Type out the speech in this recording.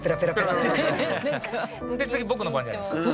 で次僕の番じゃないですか。